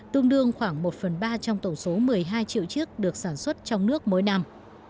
tương đương khoảng một phần ba trong tổng số một mươi hai triệu chiếc được sản xuất trong nước mỗi năm